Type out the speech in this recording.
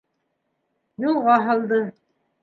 Юлға һалды.